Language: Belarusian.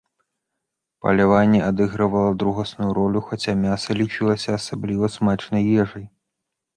Паляванне адыгрывала другасную ролю, хаця мяса лічылася асабліва смачнай ежай.